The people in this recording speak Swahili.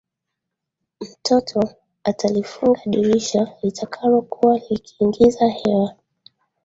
Mtoto atalifunga dirisha litakalokuwa likiingiza hewa.